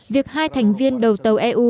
việc hai thành viên đầu tàu eu